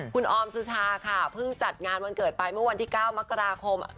คุณออมสุชาค่ะเพิ่งจัดงานวันเกิดไปเมื่อวันที่๙มกราคม